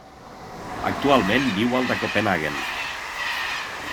Actualment viu al de Copenhaguen.